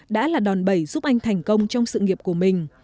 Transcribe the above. đã là đòn bẩy giúp anh thành công trong sự nghiệp của mình